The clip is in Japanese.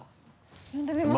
呼んでみますか？